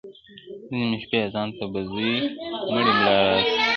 د نیمي شپې آذان ته به زوی مړی ملا راسي،